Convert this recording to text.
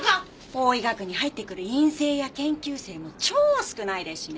法医学に入ってくる院生や研究生も超少ないですしね。